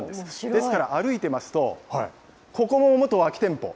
ですから歩いてますと、ここも元空き店舗。